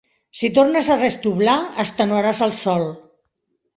Si tornes a restoblar, extenuaràs el sòl.